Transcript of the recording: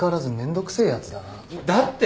だって。